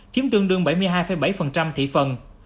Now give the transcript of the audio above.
chiếm tương đương bảy mươi hai bảy thị phần